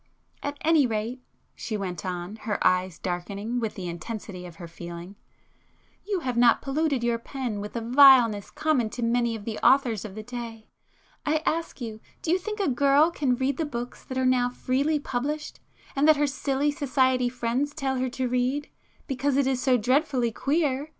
"At any rate,"—she went on, her eyes darkening with the intensity of her feeling—"you have not polluted your pen with the vileness common to many of the authors of the day. I ask you, do you think a girl can read the books that are now freely published, and that her silly society friends tell her to read,—'because it is so dreadfully queer!